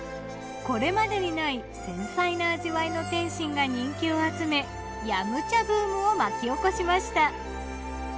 これまでにない繊細な味わいの点心が人気を集め飲茶ブームを巻き起こしました。